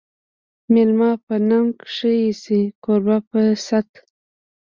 مېلمه په ننګ ښه ایسي، کوربه په صت